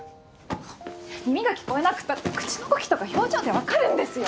耳が聞こえなくったって口の動きとか表情で分かるんですよ！